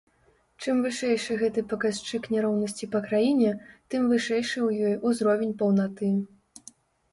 Чым вышэйшы гэты паказчык няроўнасці па краіне, тым вышэйшы ў ёй ўзровень паўнаты.